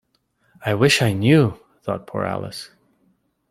‘I wish I knew!’ thought poor Alice.